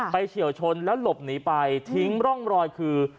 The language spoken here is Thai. เฉียวชนแล้วหลบหนีไปทิ้งร่องรอยคือ